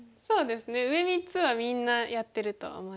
上３つはみんなやってると思います。